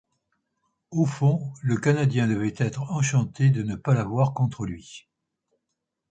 Au fond, le Canadien devait être enchanté de ne pas l’avoir contre lui.